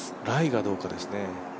ライがどうかですね。